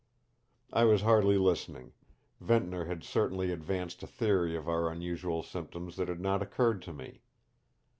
I was hardly listening. Ventnor had certainly advanced a theory of our unusual symptoms that had not occurred to me.